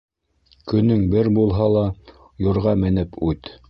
Көнөң бер булһа ла, юрға менеп үт.